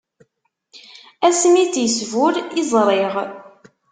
Ass mi i tt-isbur, i ẓriɣ.